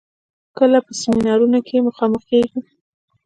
کله په سيمينارونو کې مخامخېږو.